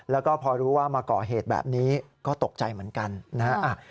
แล้วก็พอรู้ว่ามาก่อเหตุแบบนี้ก็ตกใจเหมือนกันนะฮะ